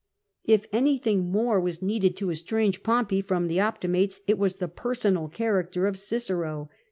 If anything POMPEY AND CICERO 263 more was needed to estrange Pompey from the Optimatea it was the personal character of Cicero.